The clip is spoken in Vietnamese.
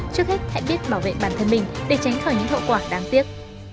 trước hết hãy biết bảo vệ bản thân mình để tránh khỏi những hậu quả đáng tiếc